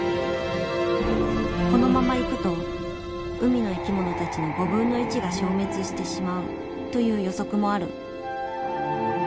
このままいくと海の生き物たちの５分の１が消滅してしまうという予測もある。